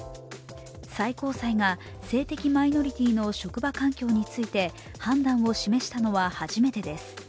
最高裁が性的マイノリティの職場環境について判断を示したのは初めてです。